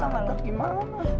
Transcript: kau nangis di mana